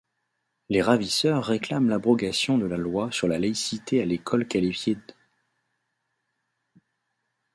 Les ravisseurs réclament l’abrogation de la loi sur la laïcité à l’école qualifiée d’.